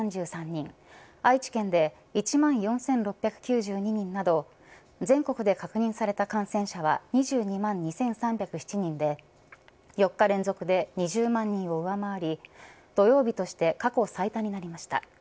愛知県で１万４６９２人など全国で確認された感染者は２２万２３０７人で４日連続で２０万人を上回り土曜日として過去最多になりました。